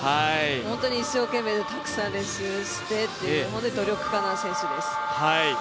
本当に一生懸命でたくさん練習してという本当に努力家な選手です。